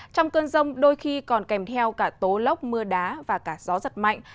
trong cơn rông đôi khi còn kèm theo cả tố lốc mưa đá và cả gió giật mạnh